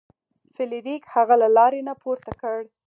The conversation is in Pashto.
فلیریک هغه له لارې نه پورته کړ.